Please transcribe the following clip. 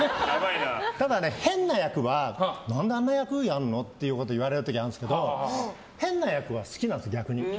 ただ、変な役は何であんな役をやるの？って言われることあるんですけど変な役は好きなんですよ、逆に。